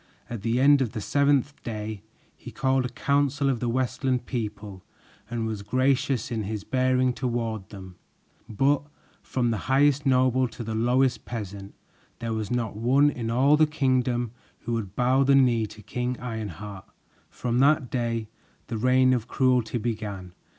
At the end of the seventh day, he called a council of the Westland people and was gracious in his bearing toward them; but from the highest noble to the lowest peasant, there was not one in all the kingdom who would bow the knee to King Ironheart. From that day, the reign of cruelty began.